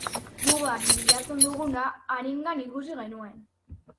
Gugan bilatzen duguna harengan ikusi genuen.